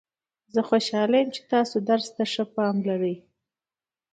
زه خوشحاله یم چې تاسو درس ته ښه پام لرئ